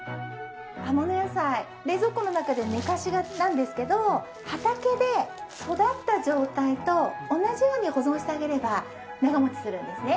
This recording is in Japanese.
葉もの野菜冷蔵庫の中で寝かしがちなんですけど畑で育った状態と同じように保存してあげれば長持ちするんですね。